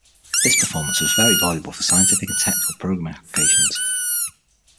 This performance was very valuable for scientific and technical programming applications.